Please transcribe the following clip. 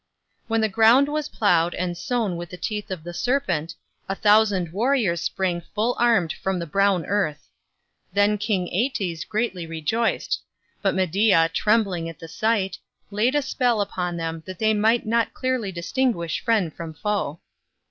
When the ground was ploughed and sown with the teeth of the serpent, a thousand warriors sprang full armed from the brown earth. Then King Æetes greatly rejoiced, but Medea, trembling at the sight, laid a spell upon them that they might not clearly distinguish friend from foe.